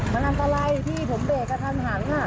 มันทำอะไรพี่ผมเบกกระทันหังอ่ะ